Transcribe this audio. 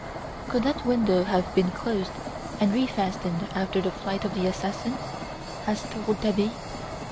"Could that window have been closed and refastened after the flight of the assassin?" asked Rouletabille.